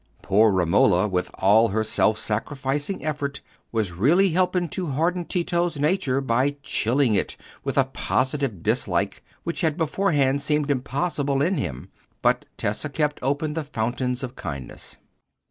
Poor Romola, with all her self sacrificing effort, was really helping to harden Tito's nature by chilling it with a positive dislike which had beforehand seemed impossible in him; but Tessa kept open the fountains of kindness.